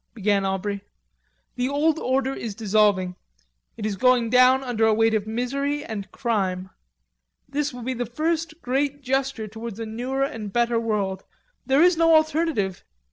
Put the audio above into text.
began Aubrey. "The old order is dissolving. It is going down under a weight of misery and crime.... This will be the first great gesture towards a newer and better world. There is no alternative.